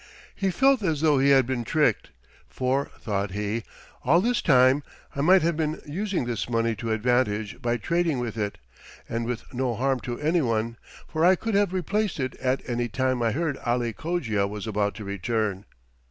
He felt as though he had been tricked, for, thought he, "All this time I might have been using this money to advantage by trading with it and with no harm to any one, for I could have replaced it at any time I heard Ali Cogia was about to return."